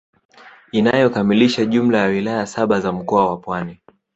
Inayokamilisha jumla ya wilaya saba za mkoa wa Pwani